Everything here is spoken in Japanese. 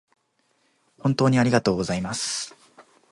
本当にありがとうございます